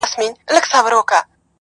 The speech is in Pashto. پاچهي لکه حباب نه وېشل کیږي،